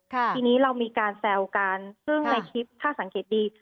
ทีนี้เรามีการแซวกันซึ่งในคลิปถ้าสังเกตดี